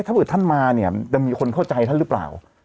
ถ้าเกิดท่านมาเนี่ยจะมีคนเข้าใจท่านหรือเปล่า